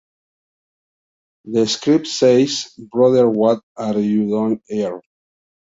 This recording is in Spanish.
The script says: "Brother, what are you doing here?